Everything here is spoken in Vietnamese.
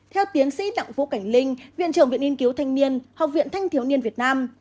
theo tiến sĩ đặng vũ cảnh linh viện trưởng viện nghiên cứu thanh niên học viện thanh thiếu niên việt nam